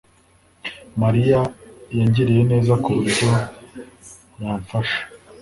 Mariya yangiriye neza ku buryo yamfasha